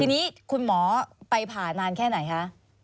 ทีนี้คุณหมอไปผ่านานแค่ไหนคะ